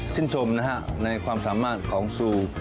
ชื่นชมนะครับในความสามารถของซู่